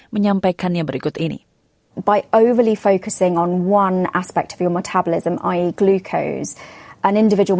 menyampaikan yang berikut ini